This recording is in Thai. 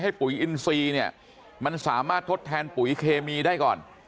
ให้ปุ๋ยอินซีมันสามารถสดแทนปุ๋ยเคมีได้ก่อน